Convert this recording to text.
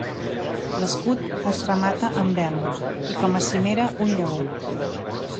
L'escut es remata amb elm i com a cimera un lleó.